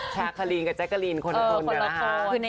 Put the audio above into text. แจ๊ะก็ริงกับแจ๊ะกะเรน